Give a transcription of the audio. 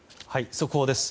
速報です。